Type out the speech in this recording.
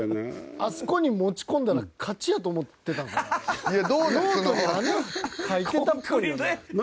あそこに持ち込んだら勝ちやと思ってたんかな？